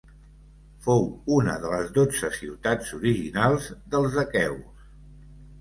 Fou una de les dotze ciutats originals dels aqueus.